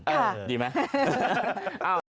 ค่ะดีไหมอ้าว